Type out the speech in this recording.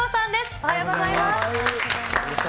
おはようございます。